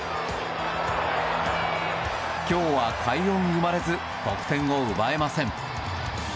今日は快音生まれず得点を奪えません。